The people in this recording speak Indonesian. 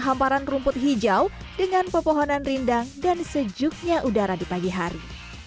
hamparan rumput hijau dengan pepohonan rindang dan sejuknya udara di pagi hari